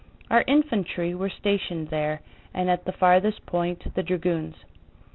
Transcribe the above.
Our infantry were stationed there, and at the farthest point the dragoons.